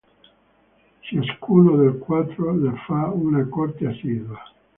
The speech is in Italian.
Ciascuno dei quattro le fa una corte assidua.